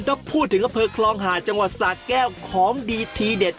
ถ้าพูดถึงอำเภอคลองหาดจังหวัดสาแก้วของดีทีเด็ด